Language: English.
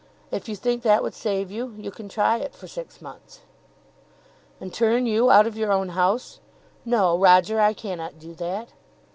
If you think that would save you you can try it for six months." "And turn you out of your own house? No, Roger. I cannot do that.